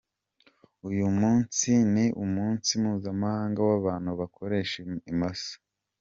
Uyu munsi ni umunsi mpuzamahanga w’abantu bakoresha imoso.